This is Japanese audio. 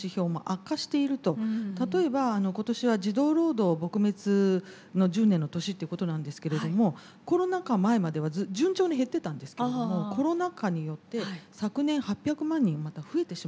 例えば今年は児童労働撲滅の１０年の年ということなんですけれどもコロナ禍前までは順調に減ってたんですけれどもコロナ禍によって昨年８００万人また増えてしまった。